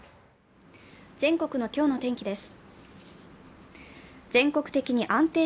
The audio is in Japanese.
全国の今日の天気です。